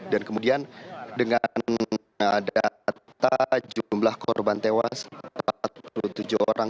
dan kemudian dengan data jumlah korban tewas empat puluh tujuh orang